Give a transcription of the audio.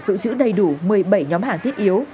giữ chữ đầy đủ một mươi bảy nhóm hàng thiết yếu